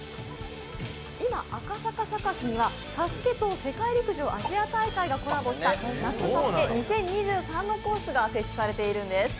今、赤坂サカスには「ＳＡＳＵＫＥ」と世界陸上、アジア大会がコラボした「夏ＳＡＳＵＫＥ２０２３」のコースが設置されているんです。